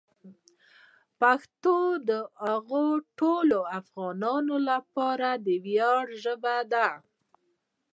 پښتو د هغو ټولو افغانانو لپاره د ویاړ ژبه ده.